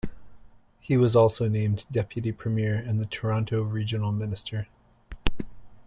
He was also named Deputy Premier and the Toronto Regional Minister.